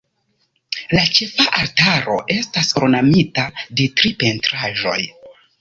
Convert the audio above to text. La ĉefa altaro estas ornamita de tri pentraĵoj.